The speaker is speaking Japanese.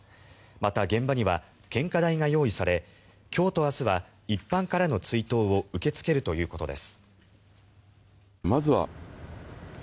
また、現場には献花台が用意され今日と明日は一般からの追悼を受け付けるということです。